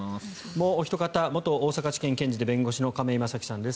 もうおひと方元大阪地検検事で弁護士の亀井正貴さんです。